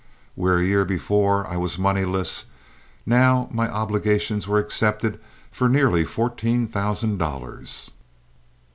Where a year before I was moneyless, now my obligations were accepted for nearly fourteen thousand dollars.